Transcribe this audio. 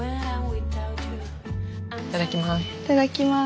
いただきます。